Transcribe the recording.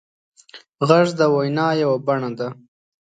غږ د وینا یوه بڼه ده